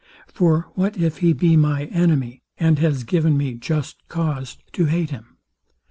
For what if he be my enemy, and has given me just cause to hate him?